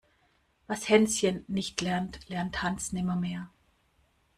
Was Hänschen nicht lernt, lernt Hans nimmermehr.